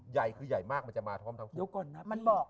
ใหญ่คือใหญ่มากมันจะมาพร้อมทั้งทุกข์